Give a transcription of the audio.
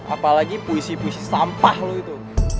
apalagi puisi puisi sampah loh itu